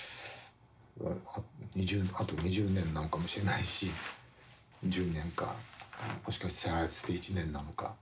あと２０年なのかもしれないし１０年かもしかして１年なのか。